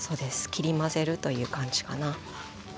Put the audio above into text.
切り混ぜるという感じかな。